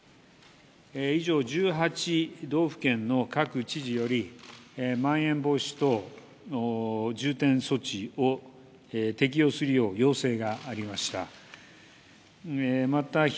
以上、１８道府県の各知事より、まん延防止等重点措置を適用するよう要請がありました。